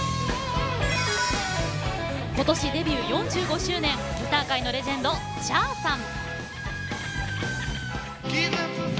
ことしデビュー４５周年ギター界のレジェンドＣｈａｒさん。